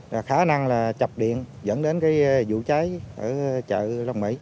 và khả năng là chập điện dẫn đến cái vụ cháy ở chợ long mỹ